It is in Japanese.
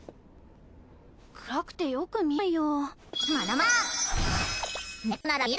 暗くてよく見えないよ。